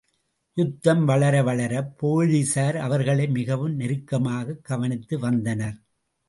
யுத்தம் வளர வளரப் போலிஸார் அவர்களை மிகவும் நெருக்கமாகக் கவனித்து வந்தனர்.